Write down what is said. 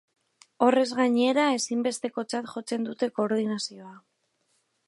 Horrez gainera, ezinbestekotzat jotzen dute koordinazioa.